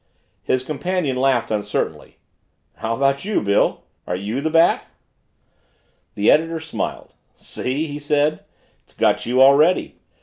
His companion laughed uncertainly. "How about you, Bill are you the Bat?" The editor smiled. "See," he said, "it's got you already.